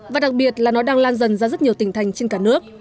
và đặc biệt là nó đang lan dần ra rất nhiều tỉnh thành trên cả nước